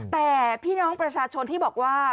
แต่พี่น้องประชาชนที่บอกว่า